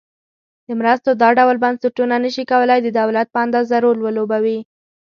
د مرستو دا ډول بنسټونه نشي کولای د دولت په اندازه رول ولوبوي.